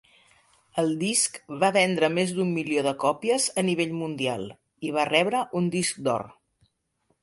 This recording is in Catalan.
El disc va vendre més d'un milió de còpies a nivell mundial i va rebre un disc d'or.